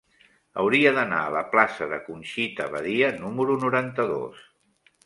Hauria d'anar a la plaça de Conxita Badia número noranta-dos.